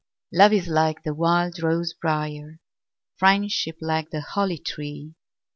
Love is like the wild rose briar; Friendship like the holly tree.